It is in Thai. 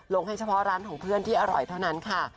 ให้เฉพาะร้านของเพื่อนที่อร่อยเท่านั้นค่ะ